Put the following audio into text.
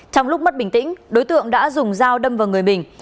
trong lúc mất bình tĩnh đối tượng đã dùng dao đâm vào người mình